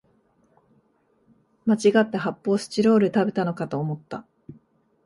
まちがって発泡スチロール食べたのかと思った